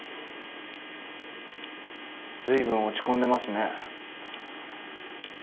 随分落ち込んでますね。